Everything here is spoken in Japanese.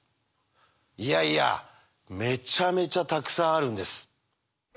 いやいやめちゃめちゃたくさんあるんです。